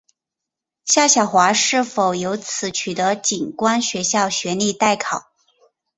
夏晓华是否由此取得警官学校学历待考。